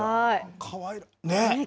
かわいい。